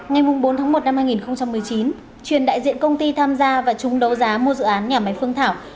ngày bốn tháng một năm hai nghìn một mươi chín truyền đại diện công ty tham gia và chúng đấu giá mua dự án nhà máy phương thảo